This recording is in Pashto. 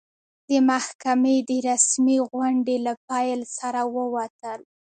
د محکمې د رسمي غونډې له پیل سره ووتل.